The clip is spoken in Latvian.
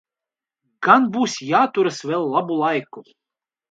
Gan būs jāturas vēl labu laiku.